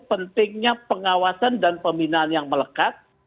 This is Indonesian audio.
pentingnya pengawasan dan pembinaan yang melekat